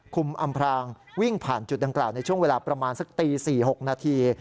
อำพรางวิ่งผ่านจุดดังกล่าวในช่วงเวลาประมาณสักตี๔๖นาที